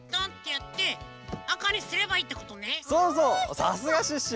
さすがシュッシュ！